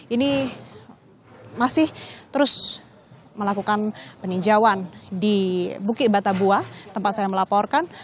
ini masih terus melakukan peninjauan di bukit batabuah tempat saya melaporkan